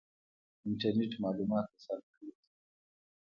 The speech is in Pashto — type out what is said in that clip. انټرنیټ معلومات اسانه کړي دي